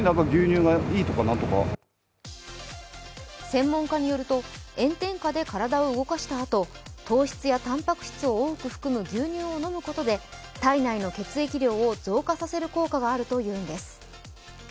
専門家によると炎天下で体を動かしたあと、糖質やたんぱく質を多く含む牛乳を飲むことで体内の血液量を増加させる効果があるというんです。